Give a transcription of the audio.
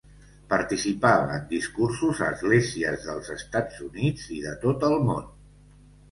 Participava en discursos a esglésies dels Estats Units i de tot el món.